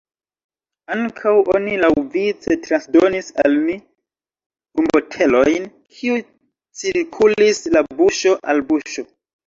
Ankaŭ, oni laŭvice transdonis al ni rumbotelojn, kiuj cirkulis de buŝo al buŝo.